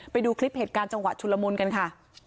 ไปดูคลิปเหตุการณ์จังหวะชุลมุนกันค่ะ